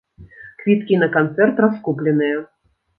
Квіткі на канцэрт раскупленыя.